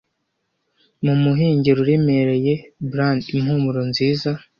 mumuhengeri uremereye bland impumuro nziza